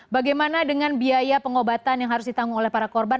bagaimana dengan biaya pengobatan yang harus ditanggung oleh para korban